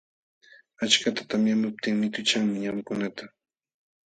Achkata tamyamuptin mituchanmi ñamkunata.